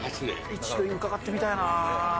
一度伺ってみたいなあ。